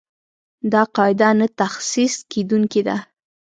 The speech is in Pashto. دا قاعده نه تخصیص کېدونکې ده.